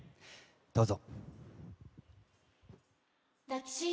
どうぞ。